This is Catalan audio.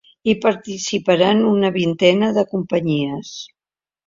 Hi participaran una vintena de companyies.